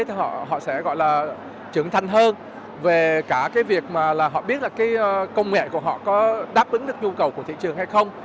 thì họ sẽ trưởng thành hơn về cả cái việc mà họ biết là công nghệ của họ có đáp ứng được nhu cầu của thị trường hay không